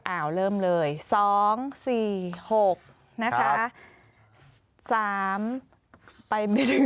อ้าวเริ่มเลย๒๔๖นะคะ